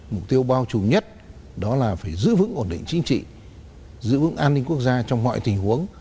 mục tiêu bao trùm nhất đó là phải giữ vững ổn định chính trị giữ vững an ninh quốc gia trong mọi tình huống